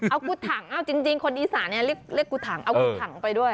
เอากูถังเอาจริงคนอีสานเรียกกูถังเอากูถังไปด้วย